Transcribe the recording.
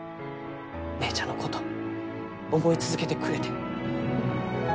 姉ちゃんのこと思い続けてくれて。